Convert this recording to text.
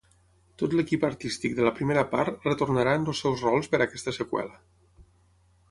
Tot l'equip artístic de la primera part retornarà en els seus rols per aquesta seqüela.